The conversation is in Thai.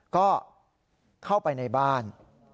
ก็เข้าไปในบ้าน